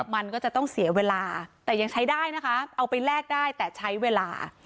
มันก็จะต้องเสียเวลาแต่ยังใช้ได้นะคะเอาไปแลกได้แต่ใช้เวลา